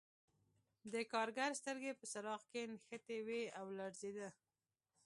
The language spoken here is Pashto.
د کارګر سترګې په څراغ کې نښتې وې او لړزېده